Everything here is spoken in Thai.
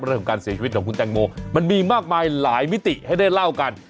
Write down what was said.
เรื่องของการเสียชีวิตของคุณแตงโมมันมีมากมายหลายมิติให้ได้เล่ากัน